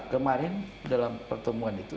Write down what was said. kemarin dalam pertemuan itu